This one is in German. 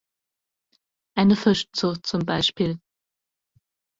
Eine Fischzucht zum Beispiel.